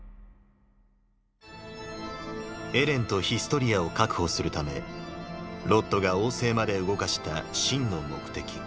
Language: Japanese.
エレンとヒストリアを確保するためロッドが王政まで動かした真の目的。